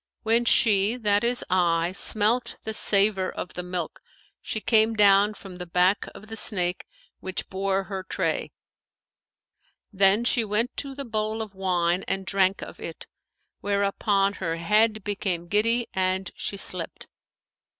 When she (that is I) smelt the savour of the milk, she came down from the back of the snake which bore her tray and, entering the cage, drank up the milk. Then she went to the bowl of wine and drank of it, whereupon her head became giddy and she slept.